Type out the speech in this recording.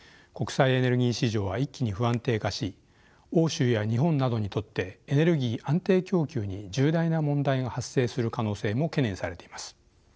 国際エネルギー市場は一気に不安定化し欧州や日本などにとってエネルギー安定供給に重大な問題が発生する可能性も懸念されています。